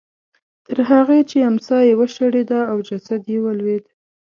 تر هغې چې امسا یې وشړېده او جسد یې ولوېد.